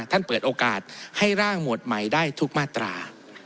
ท่านเปิดโอกาสให้ร่างหมวดใหม่ได้ทุกมาตรา